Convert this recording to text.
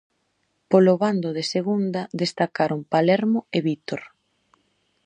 Polo bando de segunda destacaron Palermo e Vítor.